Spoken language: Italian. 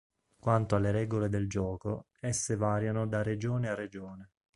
Quanto alle regole del gioco, esse variano da regione a regione.